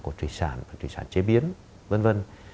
các mặt hàng của truy sản truy sản chế biến v v